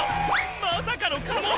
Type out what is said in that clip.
まさかのカモメ！